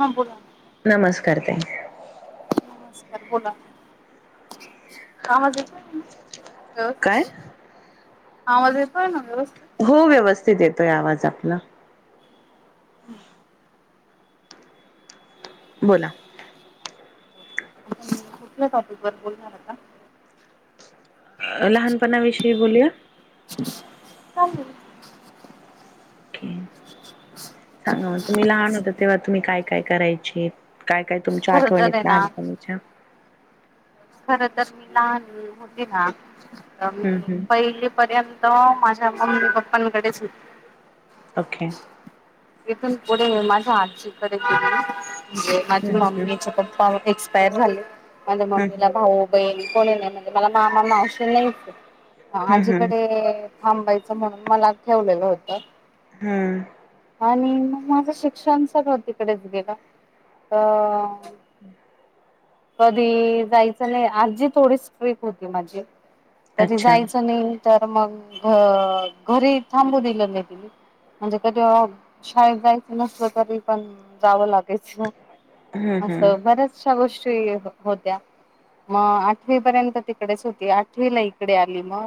हा बोला नमस्कार ताई. नमस्कार बोला आवाज येतोय ना ह काय? आवाज येतोय ना व्यवस् हो व्यवस्थित येतोय आवाज आपला [inaudible] बोला आपण कुठल्या टॉपिक वर बोलणार आता लहानपणा विषयी बोलूया [unintelligible] ओके. सांगा म तुम्ही लहान होता तेव्हा तुम्ही काय काय करायचे. काय काय तुमच्या खर तर आठवणीत आहे ना लहानपणीच्या खर तर मी लहान होते ना हम्म हम्म पहिलीपर्यं तवा माझ्या मम्मी पप्पांकडेच होत ओके इथून पुढे माझ्या आजी इकडे गेली. हम्म माझी हम्म मम्मीचे पप्पा एक्स काय झाल माझ्या हम्म मम्मीला भाऊ, बहीण कोण येणार म्हणजे मला मामा, मावशी नाहीच हा हम्म आजी हम्म कडे थांबायचं म्हणून मला ठेवलेलं होतं. हम्म. आणि मग माझं शिक्षण सगळं तिकडेच गेलं अं [unintelligible] कधी जायचं नाही आजी थोडी स्ट्रिक्ट होती माझी कधी अच्छा. जायचं नाही तर मग घ घरी थांबू दिलं नाही तिने म्हणजे कधी शाळेत जायचं नसल तरी पण जावं लाग हम्म हम्म असं बऱ्याशा गोष्टी ते होत्या मग आठवी पर्यंत तिकडेच होती, आठवी ला इकडे आली म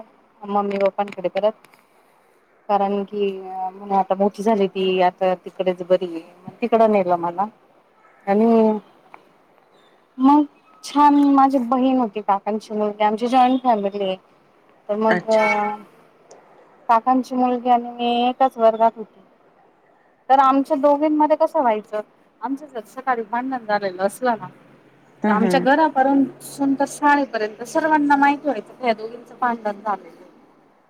मम्मी पप्पांकडे परत कारण की म्हणे आता मोठी झाली. ती आता तिकडेच बरी आहे म तिकड नेलं मला आणि मग छान माझी बहीण होती काकाची मुलगी आमची जॉईंट फॅमिलीय तर मग अच्छा. काकांची मुलगी आणि मी एकाच वर्गात होती तर आमच्या दोघींमध्ये कसं व्हायचं आमचं जर सकाळी भांडण झालेलं असलं ना हम्म आमच्या हम्म घरा [unintelligible] शाळेपर्यंत सर्वांना माहिती व्हायं दोघींच भाडंन झालेय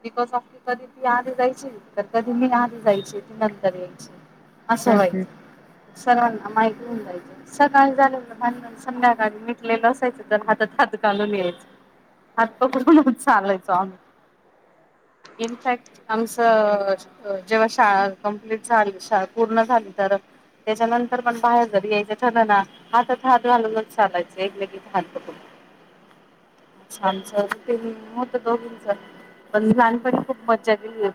बिकॉज ऑफ कधी ती आधी जायाची तर कधी मी आधी जायाची. [unintelligible] असं हम्म हम्म व्हायचं सर्वांना ऐकून जायचं सकाळी झालेल भांडण संध्याकाळी मिटलेलं असायचं तर हातात हात घालून यायचं हात पकडून चालायचो आम्ही, इनफॅक्ट आमचं जेव्हा शाळा कम्प्लीट झाली शाळा पूर्ण झाली तर त्याच्यानंतर पण बाहेर जरी यायचं ठलं ना हातात हात घालूनच चालायचं एकमेकीचे हात पकडून. ते होत दोघींचं पण लहानपणी खूप मग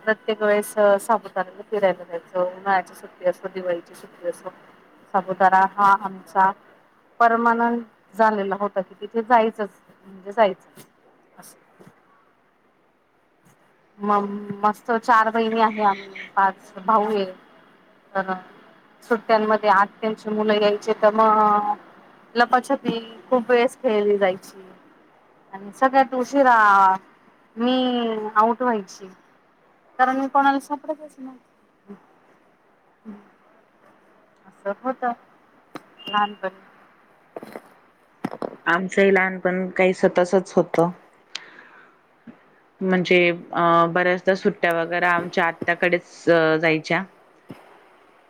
प्रत्येक वेळेस [unintelligible] नळ्याची सुट्टी असो दिवाळीची सुट्टी असो सापुतारा हा आमचा परमनंट झालेला होता कि तिथे जायच म्हणजे जायच अस. मग मग हो चार बहिणी आहे आम्ही पाच भाऊ एक तर सुट्ट्यांमध्ये आत्यांची मुलं यायचे तर मग लपाछपी खूप वेळेस खेळली जायची, आणि सगळ्यात उशीरा मी आऊ व्हायची. कारण मी कोणाला सापडयच नाही. अस होत लहानपणी. आमचंही लहानपण काहीस तसच होत. म्हणजे अ बऱ्याचदा सु वगैरे आमच्या आत्याकडेच जाय च्या.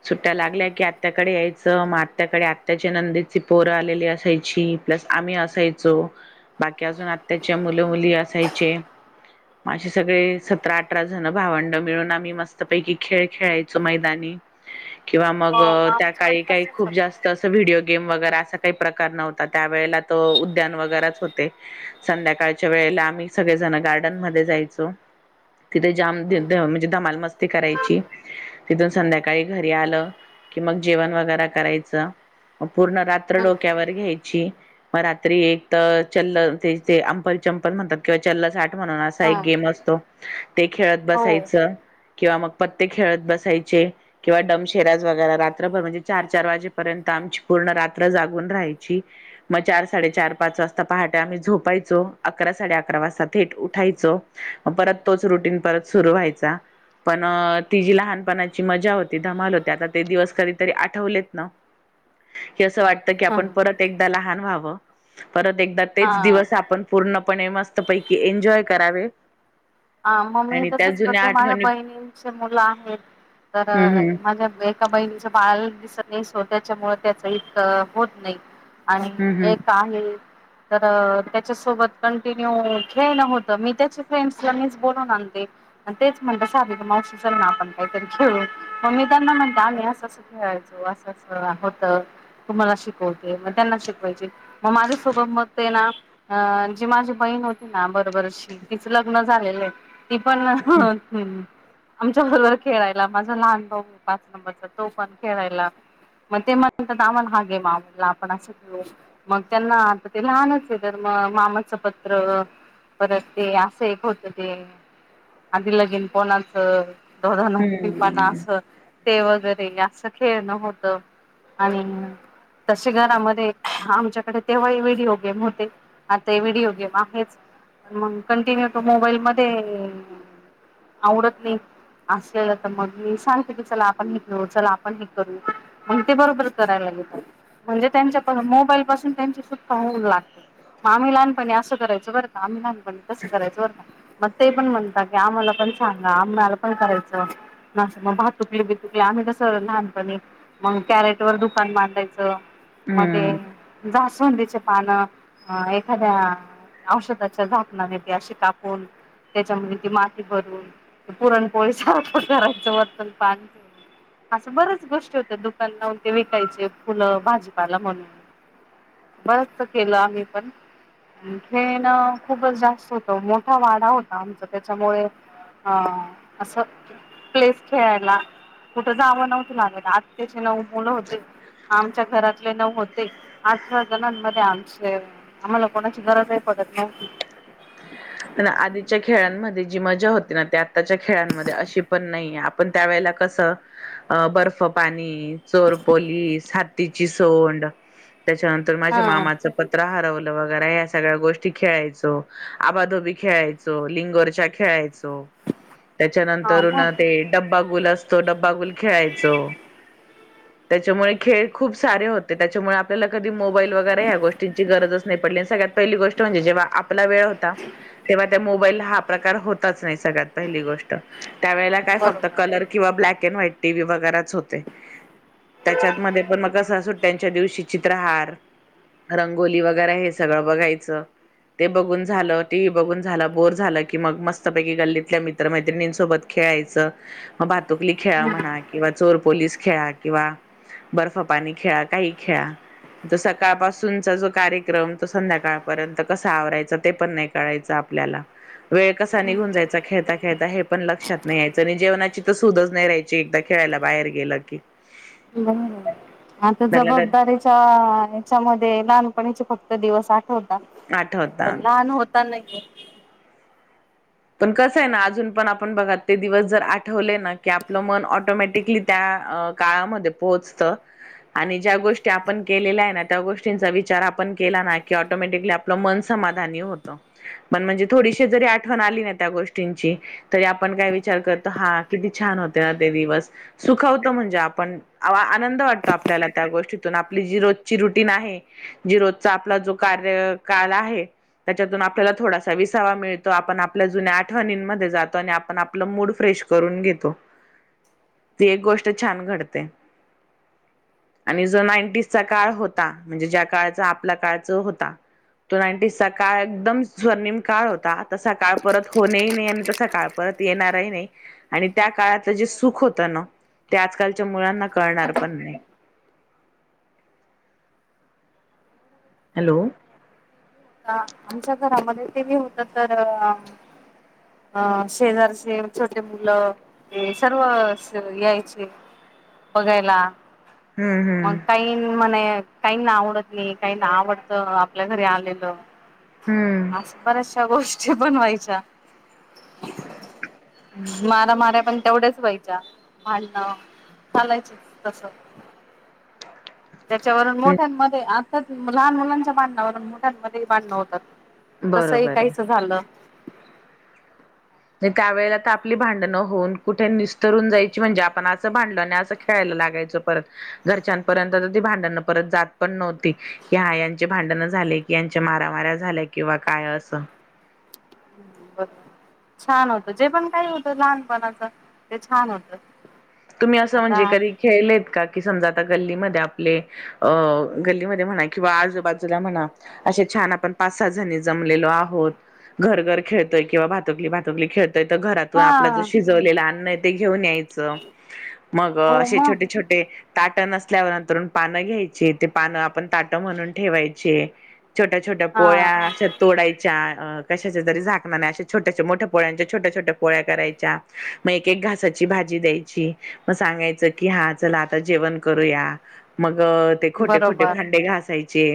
सुट्ट्या लागल्या की आत्त्याकडे यायचं, मग आत्याकडे आत्याच्या नंदीची पोरं आलेली असायची, प्लस आम्ही असायचो बाकी अजून आत्ताच्या मुलं मुली असायचे. माझे सगळे सतरा अठरा जण भावंड मिळून आम्ही मस्त पैकी खेळ खेळायचो मैदानी. किंवा मग हो त्या आमच्याकडे काळी काही तसच खूप होत जास्त असं व्हिडिओ गेम वगैरे अस काही प्रकार नव्हता त्या वेळेला तो उद्यान वगैरेच होते संध्याकाळच्या वेळेला आम्ही सगळे जण गार डन जायचो तिथे जाम हम्म म्हणजे धमाल मस्ती करायची तिथून संध्याकाळी घरी आलं कि मग जेवण वगैर करायचं पूर्ण रात्र हम्म डोक्यावर घ्यायची मग रात्री एक तर चल ते अंपल चंपल म्हणतात किंवा चल साठ म्हणून असा एक हा गेम असतो. ते खेळत हो बसायचं. किंवा मग पत्ते खेळत बसायचे, किंवा डमशेराज वगैर रात्रभर म्हणजे चार-चार वाजेपर्यंत आमची पूर्ण रात्र जागून राहायची, मग चार साडेचार पाच वाजता पहाटे आम्ही झोपायचो, अकरा साडे अकरा वाजता. थेट उठायचो परत तोच रुटीन परत सुरू व्हायचा, पण ति जी लहानपणाची मजा होती धमाल होती आता ते दिवस कधीतरी आठवलेत न की असं वाटतं की आपण परत एकदा लहान व्हावं [inaudible] परत एकदा तेच हा दिवस आपण पूर्ण पणे मस्त पैकी की एन्जॉय करावे. हा म मी आणि त्या तसेच जुन्या करते माझ्या आठवणी बहिणींची मुलं आहेत, तर हम्म हम्म माझ्या एका बहिणीचे बाळा दिसत नाही स्वतःच्या मूळ त्याच इतक होत नाही, आणि हम्म एक हम्म आहे तर त्याच्यासोबत कंटिन्यू खेळणं होतं मी त्याचे फ्रेंडस मीच बोलवून आणते, तेच म्हणत सारिका मावशी ना आपण काहीतरी खेळू मग मी त्यांना म्हणत आम्ही असंं खेळायचो असं अस होत तू मला शिकवते मग त्यांना शिकवायची मग माझ्यासोबत मग ते ना जी माझी बहीण होती ना बरोबरशी तिच ल लग्न झालेल आहे ती पण् आमच्या बरोबर खेळायला माझा लहान भाऊ आहे पाच नंबरचा तो पण खेळायला मग ते म्हणतात आम्हाला हा गेम आवडला आपण असं खेळू मग त्यांना आता ते लहानच आहे तर मग मामाचं पत्र परत ते सेफ होत ते आधी लगिन कोणाचं? दोध ना की प ना अस ते वगैरे असं खेळणं होत आणि तसे घरामध्ये आमच्याकडे तेव्हा ही व्हिडिओ गेम होते आता व्हिडिओ गेम आहेच मग कंटिन्यू तो मोबाईल म आवडत नाही. असेलल तर मग मी सांगते की चला आपण हे करू चला आपण हे करू मग ते बरोबर करायला घेतात म्हणजे त्यांच्या मोबाईल पासून त्यांची सुटका होऊन लागते मग आम्ही लहानपणी असं करायचं बरं का आम्ही लहान पण कस करायचं. मग ते पण म्हणत की आम्हाला पण सांगा आम्हाला पण करायचं, ना मग भातुकली बितुकली आम्ही कसं लहानपणी मग कॅरेट वर दुकान मांडायचं मध्ये हम्म. जा [unintelligible] पानं एखाद्या औषधाच्या झाकणाने अशी काप त्याच्या ती माती भरून पुरणपोळीचात करायचं वर्तन पाने असं बर्याच गोष्टी होत दुकान लाहून ते विकायचे फुलं भाजीपाला म्हणून बरच केलं आम्ही पण खेळणं खूपच जास्त होत मोठ मोठ वाडा होता आमचा त्याच्यामुळे अं असं प्लेस खेळायला कुठं जावं नव्हतं लागाला आत् त्याचे नऊ मुलं होते आमच्या घरातले नऊ होते अठरा जणांमध्ये आमचे आम्हाला कोणाची गरज आहे पडत नव्हती. प आधीच्या खेळांमध्ये जी मज्जा होती ना ते आत्ताच्या खेळांमध्ये अशी पण नाही आपण त्यावेेळेला कस अ बर्फ पाणी चोरपोलीस ती [unintelligible] ची सोंड त्याच्यानंतर हा माझ्या मामाचं पत्र हारवला दवाखाना या सगळ्या गोष्टी खेळायचो. आबा खेळायच लिंगरच्या खेळायच. हा त्याच्यानंतर मग ते डबा गुला डब्बागुल खेळायचो, त्याच्यामुळे खेळ खूप सारे होते त्याच्यामुळे आपल्याला कधी मोबाईल वगैरे ह्या गोष्टींची गरजच नाही पडली सगळ्यात पहिली गोष्ट म्हणजे जेव्हा आपला वेळ होता तेव्हा त्या मोबाईलला हा प्रकार होताच नाही सगळ्यात पहिली गोष्ट त्या ववेळेला काय बरोबर फक्त कलर किंवा ब्लॅक व्हाईट टी व्ही वगैरेच होते. त्याच्यात मध्ये पण कसं [unintelligible] च्या दिवशी चित्रहार, रंगोली वगैरे हे सगळं बघायचं ते बघून झालं. ी बघून झाला बोर झालं की मग मस्तपैकी गल्लीतल्या मित्रमैत्रिणींसोबत खेळायचं म भातुकली खेळा म्हणा किंवा चोरपोलीस खेळा किंवा बर्फ पाणी खेळा काही खेळा तर सकाळ पासूनचा जो कार्यक्रम तो संध्याकाळपर्यंत कसा आवरायचा ते पण नाही. कयच [unintelligible] आपल्याला वेळ कसा निघून जायचा खेळता खेळता हे पण लक्षात नाही यायचं आणि जेवणाची तर सुूदच नाही राहायची एकदा खेळायला बाहेर गेलं की आता त्यातल्या त्यात जबाबदारीच्या हच्यामध्ये लहान फक्त दिवस आठवत. पण आठवतात लहान होत. [unintelligible] पण कसं आहे ना अजून पण आपण बघा ते दिवस जर आठवले ना की आपलं मन ऑटोमॅटिकली त्या काळामध्ये पोहोचतं आणि ज्या गोष्टी आपण केलेल्या आहे ना त्या गोष्टींचा विचार आपण केला ना की ऑटोमॅटिकली आपलं मन समाधानी होतं पण म्हणजे थोडीशी जरी आठ आली ना त्या गोष्टींची तरी आपण काय विचार करतो हा किती छान होते ना ते दिवस सुखवतो म्हणजे आपण आनंद वाटतो आपल्याला त्या गोष्टीतून आपली जी रोजची रुटीन आहे जी रोजचा आपला जो कार्यकाळ आहे त्याच्यातून आपल्याला थोडासा विसावा मिळतो. आपण आपल्या जुन्या आठवणींमध्ये जातो आणि आपण आपलं मूड फ्रेश करून घेतो ती एक गोष्ट छान घडते आणि जो नाईनटीजचा काळ होता म्हणजे ज्या काळचा आपल्या काळच होता तो नाईनटीजचा काळ एकदम स्वर्णिम काळ होता. तसा काळ परत होणेही नाही आणि तसा काळ परत येणारही नाही आणि त्या काळात त्या जे सुख होतं ना त्या आजकालच्या मुलांना कळणार पण नाही हॅलो आमच्या घरामध्ये तेही होत तर अ शेजारचे छोटे मुलं सर्व यायचे बघायला हम्म मग हम्म काही जन काही ना आवडत नाही काही ना आवडत आपल्या घरी आलेलं ह हम्म अस बऱ्याचशा गोष्टी पण व्हायच्या मारा मऱ्या पण तेवढ्याच व्हायच्या भांडण चालायच तस त्याच्यावरून मोठ्यांमध्येध्ये लहान मुलांच्या भांडणावरून मुठ्यांमध्ये भांडण होतात तसही बरोबर आहे काहीच झालं [inaudible] त्यावेेळे तर आपली भांडणं होऊन कुठे निस्तरून जायची म्हणजे आपण असं भांडलो आणि असं खेळायला लागायचं परत घरच्यांपर्यंत तर ती भांडणं परत जात पण नव्हती की हा यांचे भांडणं झाले की यांच्या मारामाऱ्या झाल्या किंवा काय असं बघ छान होत जे पण काही होतं लहानपणाच ते छान होत तुम्ही असं म्हणजे कधी खेळलेत का की समजा आता गल्लीमध्ये आप अ गल्लीमध्ये म्हणा किंवा आजूबाजूला म्हणा असे छान आपण पाच सात जणी जमलेलो आहोत घर घर खेळतोय किंवा भातुकली भातुकली खेळत घरातून आपलं ज हा शिजवलेलं अन्न आहे ते घेऊन यायचं मग हो असे मग छोटे छोटे ताट नसल्यावरनंतरुून पानं घ्यायची ते पानं आपण ताटं म्हणून ठेवायचे छोट्या छोट्या हा पोळ्या असशा तोडायच्या अ कशाच्या तरी झाकणार नाही अशा छोट्याश मोठ्या पोळ्यांच्या छोट्या छोट्या पोळ्या करायच्या मग एक एक घासाची भाजी द्याची ची म सांगायच की हा चला आता जेवण करूया मग ते खोटे खोटे बरोबर भांडे घासायचे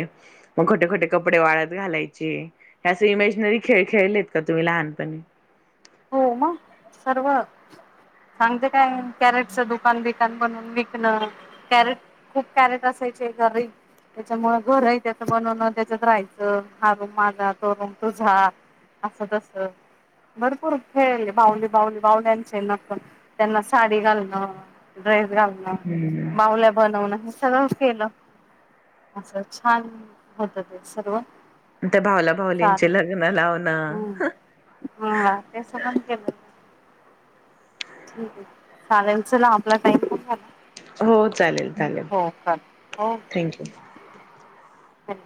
मग खोटे खोटे कपडे वाळत घालायचे त्या इमेजनरी खेळ खेळलेत का तुम्ही लहानपणी हो मग सर्व सांगते काय कॅरेटचं दुकान बिकन बनून विकणं कॅरेट खूप कॅरेट असायचे घरी त्याच्यामु घरही त्याच बनवण त्याच्यात राहायचं हारूम माझा तोरुम तुझा असं तस बर ूर खेळले बावली बावली बावल्यांचे नक त्यांना साडी घालणं ड्रेस घालणं भावल्या बनवणं हे सगळंच केलं असं छान होत ते सर्व त्या भावला भावलींचे चालेल लग्न लावणं क चालेल चला आपला काही पण हो चालेल चालेल हो चालेल. Thank you Hum